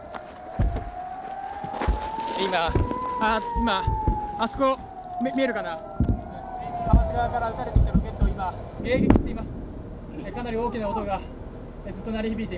今、あそこ見えるかな、ハマス側から撃たれてくるロケットを今、迎撃しています。